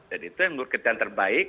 dan itu yang menurut kita yang terbaik